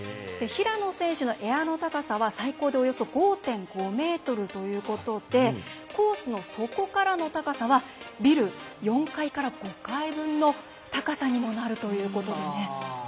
平野選手のエアの高さは最高でおよそ５．５ｍということでコースの底からの高さはビル４階から５階分の高さにもなるということで。